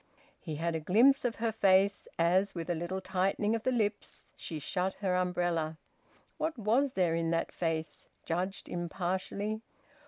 He had a glimpse of her face as, with a little tightening of the lips, she shut her umbrella. What was there in that face judged impartially?